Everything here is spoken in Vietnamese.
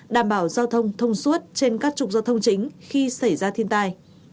đảm bảo giao thông thông suốt trên các trục giao thông chính khi xảy ra thiên tai